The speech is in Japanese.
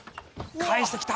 返してきた！